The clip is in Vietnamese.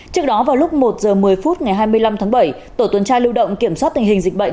trước đó vào lúc một h một mươi phút ngày hai mươi năm tháng bảy tổ tuần tra lưu động kiểm soát tình hình dịch bệnh